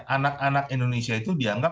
anak anak indonesia itu dianggap